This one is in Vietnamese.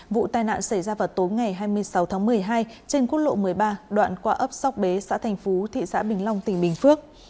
vụ tai nạn xảy ra vào tối ngày hai mươi sáu tháng một mươi hai trên quốc lộ một mươi ba đoạn qua ấp sóc bế xã thành phú thị xã bình long tỉnh bình phước